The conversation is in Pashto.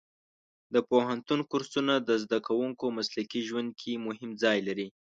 د پوهنتون کورسونه د زده کوونکو مسلکي ژوند کې مهم ځای لري.